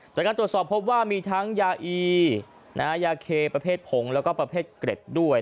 จากการตรวจสอบพบว่ามีทั้งยาอียาเคประเภทผงแล้วก็ประเภทเกร็ดด้วย